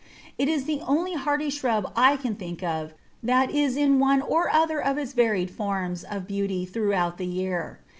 It is the only hardy shrub I can think of that is in one or other of its varied forms of beauty throughout the year.